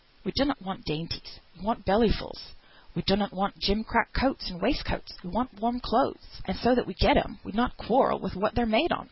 We donnot want dainties, we want bellyfuls; we donnot want gimcrack coats and waistcoats, we want warm clothes, and so that we get 'em we'd not quarrel wi' what they're made on.